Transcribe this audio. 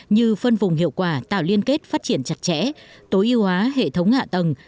như phân vùng hiệu quả tạo liên kết phát triển chặt chẽ tối ưu hóa hệ thống hạ tầng